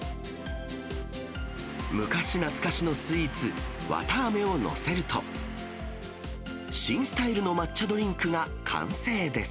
昔懐かしのスイーツ、綿あめを載せると、新スタイルの抹茶ドリンクが完成です。